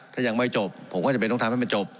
ถ้ายังไม่จบผมก็จำเป็นต้องทำให้มันจบ